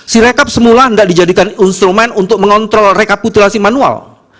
sirekap semula tidak dijadikan instrumen untuk mengontrol rekapitulasi manual